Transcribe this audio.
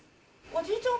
おじいちゃん